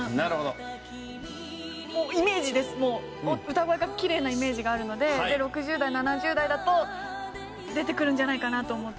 歌声がきれいなイメージがあるので６０代７０代だと出てくるんじゃないかなと思って。